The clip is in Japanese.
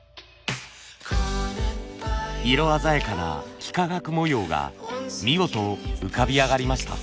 色鮮やかな幾何学模様が見事浮かび上がりました。